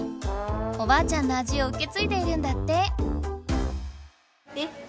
おばあちゃんの味をうけついでいるんだって。